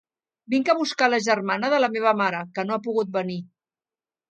Vinc a buscar la germana de la meva mare, que no ha pogut venir.